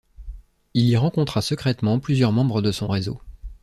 Il y rencontra secrètement plusieurs membres de son réseau.